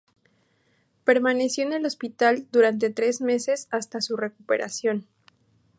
Permaneció en el hospital durante tres meses hasta su recuperación.